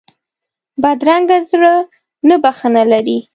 بدرنګه زړه نه بښنه لري